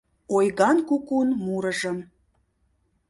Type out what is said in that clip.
Ойган кукун мурымыжым